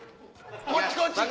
こっちこっち！